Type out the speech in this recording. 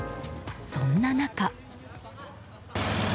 そんな中。